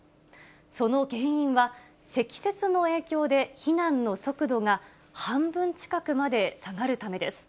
その原因は、積雪の影響で、避難の速度が半分近くまで下がるためです。